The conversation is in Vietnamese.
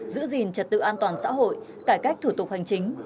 giữ gìn trật tự an toàn xã hội cải cách thủ tục hành chính